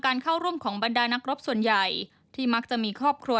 เข้าร่วมของบรรดานักรบส่วนใหญ่ที่มักจะมีครอบครัว